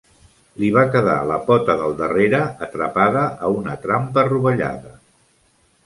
Li va quedar la pota del darrere atrapada a una trampa rovellada.